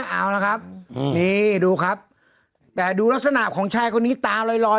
เอาละครับนี่ดูครับแต่ดูลักษณะของชายคนนี้ตาลอย